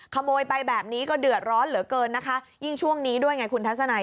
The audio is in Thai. ขโมยไปแบบนี้ก็เดือดร้อนเหลือเกินนะคะยิ่งช่วงนี้ด้วยไงคุณทัศนัย